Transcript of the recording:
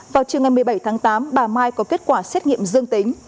vào trường ngày một mươi bảy tháng tám bà mai có kết quả xét nghiệm dương tính